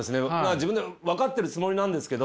自分でも分かってるつもりなんですけど。